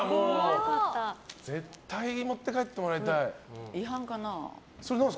絶対に持って帰ってもらいたい。